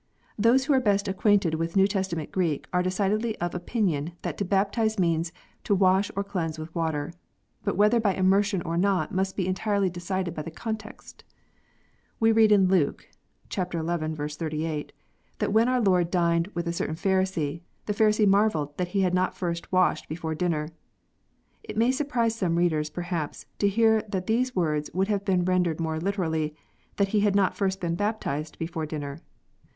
Those who are best acquainted with New Testament Greek are decidedly of opinion that to baptize means " to wash or cleanse with water," but whether by immersion or not must be entirely decided by the context. We read in St. Luke (xi. 38) that when our Lord dined with a certain Pharisee, " the Pharisee marvelled that He had not first washed before dinner." It may surprise some readers, perhaps, to hear that these words would have been rendered more liter ally, " that He had not first been baptized before dinner."